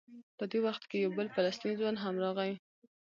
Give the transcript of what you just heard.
په دې وخت کې یو بل فلسطینی ځوان هم راغی.